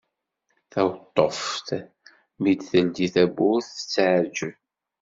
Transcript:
Taweṭṭuft mi d-teldi tawwurt tettɛeǧǧeb.